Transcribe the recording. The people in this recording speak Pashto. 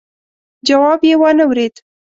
جواب يې وانه ورېد.